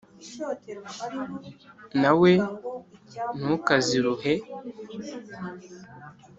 Na we ntukaziruhe